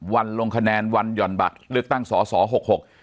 ลงคะแนนวันหย่อนบัตรเลือกตั้งสอสอหกหก